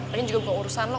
mungkin juga bukan urusan lo